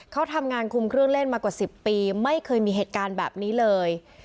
เขาทำงานคุมเครื่องเล่นมากว่า๑๐ปีไม่เคยมีเหตุการณ์แบบนี้เลย